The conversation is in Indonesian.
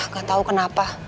gak tau kenapa